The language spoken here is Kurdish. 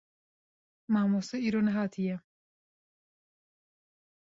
Mamoste îro nehatiye.